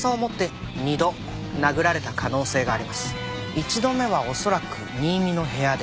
一度目は恐らく新見の部屋で。